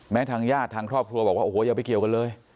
ทางญาติทางครอบครัวบอกว่าโอ้โหอย่าไปเกี่ยวกันเลย